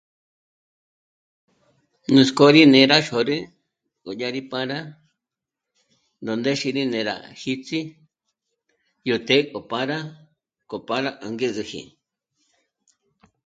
Nuts'k'ó rí né'e rá xôrü k'o yá rí pâra ná ndéxi rí né'e rá jíts'i, yó të́'ë k'o pâra, k'o pâra angezeji